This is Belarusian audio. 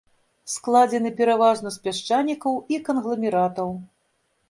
Складзены пераважна з пясчанікаў і кангламератаў.